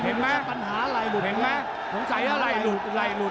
ผมคิดว่าลายหลุดลายหลุด